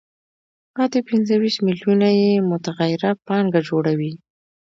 پاتې پنځه ویشت میلیونه یې متغیره پانګه جوړوي